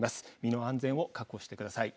身の安全を確保してください。